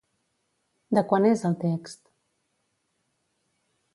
De quan és el text?